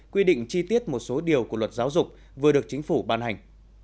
quy định chi tiết một số điều của luật giáo dục vừa được chính phủ ban hành